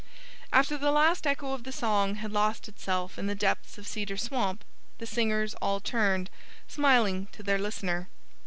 After the last echo of the song had lost itself in the depths of Cedar Swamp, the singers all turned, smiling, to their listener.